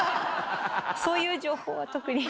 そういう情報は特に。